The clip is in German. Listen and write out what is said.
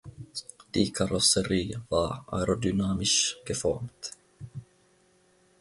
Die Karosserie war aerodynamisch geformt.